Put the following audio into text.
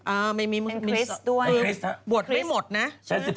อ้าวไม่มีมุสลิมบวชไม่หมดนะใช่ไหมคริสต์